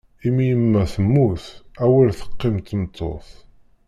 Imiyeimma temmut, awer teqqim tmeṭṭut!